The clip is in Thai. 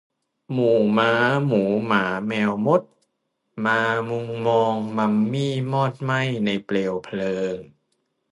หมู่ม้าหมูหมาแมวมด มามุงมองมัมมี่มอดไหม้ในเปลวเพลิง